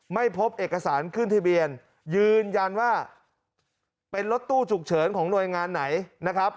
ไม่พบเอกสารขึ้นทะเบียนยืนยันว่าเป็นรถตู้ฉุกเฉินของหน่วยงานไหนนะครับ